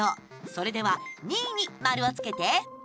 それでは、２位に丸をつけて。